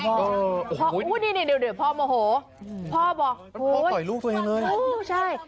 โอ้โฮนี่พอโมโฮพอบอกโอ้โฮใช่